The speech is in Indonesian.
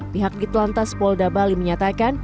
pihak ditlantas polda bali menyatakan